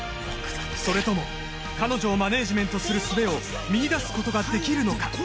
それとも彼女をマネージメントする術を見いだすことができるのか？